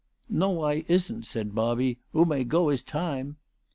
" No, I isn't," said Bobby. " Oo may go 'is time."